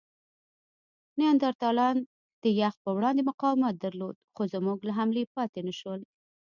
نیاندرتالانو د یخ پر وړاندې مقاومت درلود؛ خو زموږ له حملې پاتې نهشول.